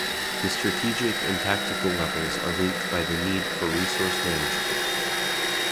The strategic and tactical levels are linked by the need for resource management.